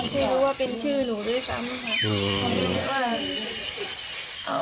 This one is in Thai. พี่รู้ว่ามีชื่อนูด้วยซ้ำ